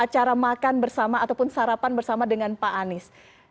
cara makan bersama ataupun sarapan bersama dengan pak anies